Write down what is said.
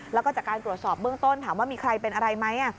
แล้วก็จากการตรวจสอบเบื้องต้นถามว่ามีใครเป็นอะไรไหม